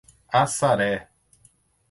Assaré